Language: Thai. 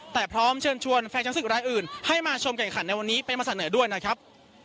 แต่พร้อมเชิญชวนแฟนช้างศึกรายอื่นให้มาชมแข่งขันในวันนี้เป็นภาษาเหนือด้วยนะครับ